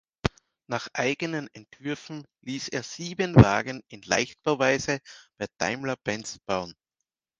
Nach eigenen Entwürfen ließ er sieben Wagen in Leichtbauweise bei Daimler-Benz bauen.